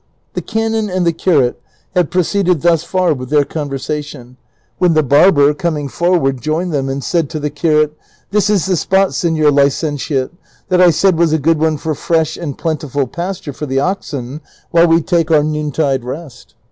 The canon and the curate had proceeded thus far with their con\ ersation, when the barber, coming forward, joined them, and said to the curate, '' This is the spot, seiior licentiate, that I said was a good one for fresh and plentiful pasture for the oxen, while we take our noontide rest."